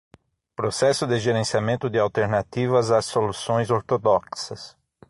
Processo de gerenciamento de alternativas às soluções ortodoxas